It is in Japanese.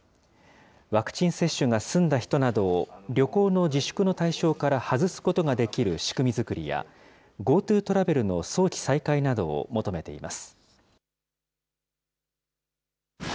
ワクチン接種が済んだ人などを旅行の自粛の対象から外すことができる仕組み作りや、ＧｏＴｏトラベルの早期再開などを求めています。